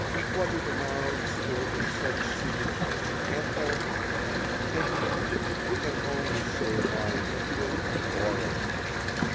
What it amounts to in such cities as Canton and Pekin we can only surmise with horror.